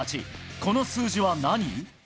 この数字は何？